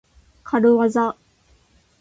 かるわざ。